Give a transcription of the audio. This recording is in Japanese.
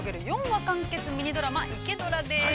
４話完結ミニドラマ「イケドラ」です。